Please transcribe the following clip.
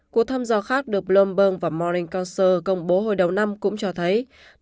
cuộc thăm dò khác được bloomberg và morning council công bố hồi đầu năm cũng cho thấy